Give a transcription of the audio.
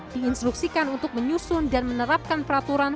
diinstruksikan untuk menyusun dan menerapkan peraturan